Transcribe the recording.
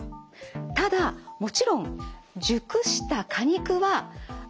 ただもちろん熟した果肉は安全です。